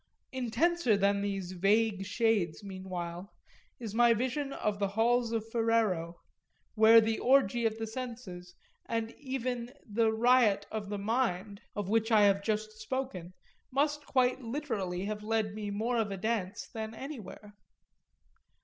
Intenser than these vague shades meanwhile is my vision of the halls of Ferrero where the orgy of the senses and even the riot of the mind, of which I have just spoken, must quite literally have led me more of a dance than anywhere.